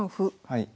はい。